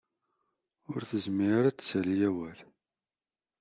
Ur tezmir ara ad d-tessali awal.